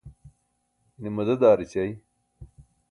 ine madad aar ećai